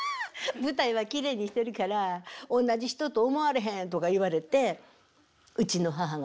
「舞台はきれいにしてるからおんなじ人と思われへん」とか言われてうちの母が。